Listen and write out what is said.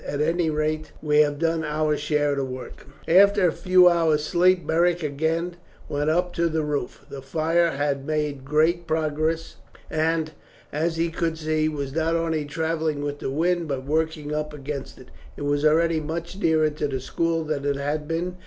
At any rate, we have done our share of work." After a few hours' sleep Beric again went up to the roof. The fire had made great progress, and, as he could see, was not only travelling with the wind, but working up against it. It was already much nearer to the school than it had been.